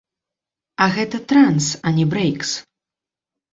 А гэта транс, а не брэйкс.